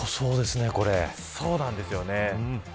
そうなんですよね。